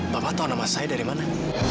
bapak tahu nama saya dari mana